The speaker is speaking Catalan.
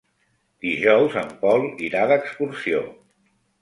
Dijous en Pol irà d'excursió.